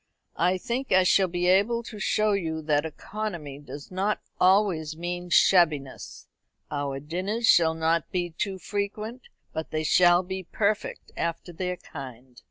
"I think I shall be able to show you that economy does not always mean shabbiness. Our dinners shall not be too frequent, but they shall be perfect after their kind."